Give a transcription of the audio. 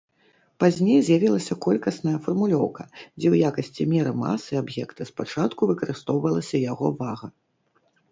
Пазней з'явілася колькасная фармулёўка, дзе ў якасці меры масы аб'екта спачатку выкарыстоўвалася яго вага.